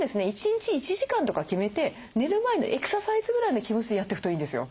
１日１時間とか決めて寝る前のエクササイズぐらいの気持ちでやっていくといいんですよ。